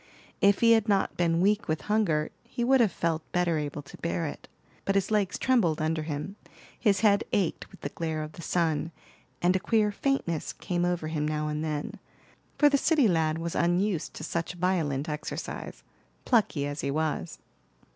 If he had not been weak with hunger he would have felt better able to bear it; but his legs trembled under him, his head ached with the glare of the sun, and a queer faintness came over him now and then; for the city lad was unused to such violent exercise, plucky as he was.